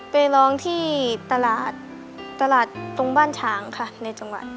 ไปร้องที่ตลาดตลาดตรงบ้านฉางค่ะในจังหวัด